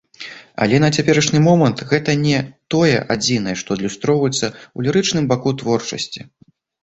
Але на цяперашні момант, гэта не тое адзінае, што адлюстроўваецца ў лірычным баку творчасці.